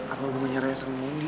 apa hubungannya raya sama moni